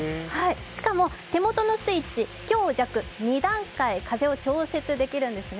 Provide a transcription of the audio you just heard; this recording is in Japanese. しかも手元のスイッチ、強弱２段階風を調節できるんですね。